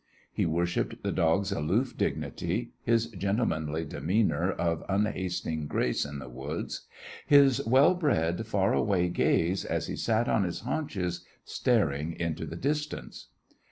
He worshipped the dog's aloof dignity, his gentlemanly demeanour of unhasting grace in the woods, his well bred far away gaze as he sat on his haunches staring into the distance.